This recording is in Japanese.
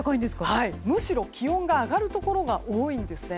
むしろ気温が上がるところが多いんですね。